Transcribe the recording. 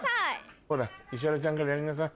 ほら石原ちゃんからやりなさい。